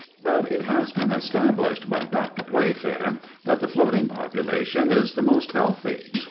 But it has been established by Dr. Playfair that the floating population is the most healthy.